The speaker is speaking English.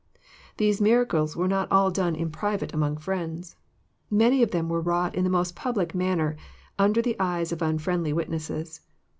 These miracles were not all done in private among friends. Many of them were wrought in the most public manner, under the eyes of unfriendly witnesses.